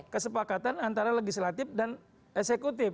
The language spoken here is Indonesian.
kesepakatan antara legislatif dan eksekutif